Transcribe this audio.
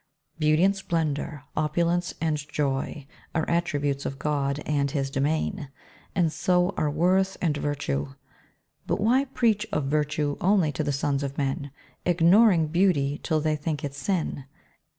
Beauty and splendour, opulence and joy, Are attributes of God and His domain, And so are worth and virtue. But why preach Of virtue only to the sons of men, Ignoring beauty, till they think it sin?